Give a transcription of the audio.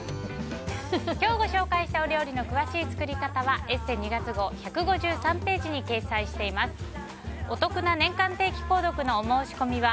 今日ご紹介したお料理の詳しい作り方は「ＥＳＳＥ」２月号１５３ページに掲載しています。